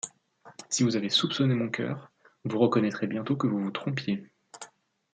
Si vous avez soupçonné mon cœur, vous reconnaîtrez bientôt que vous vous trompiez.